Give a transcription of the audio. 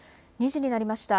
２時になりました。